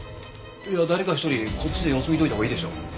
いや誰か一人こっちで様子見といたほうがいいでしょ。